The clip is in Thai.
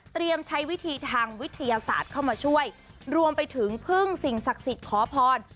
ใช้วิธีทางวิทยาศาสตร์เข้ามาช่วยรวมไปถึงพึ่งสิ่งศักดิ์สิทธิ์ขอพร